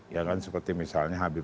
ya kan seperti misalnya habib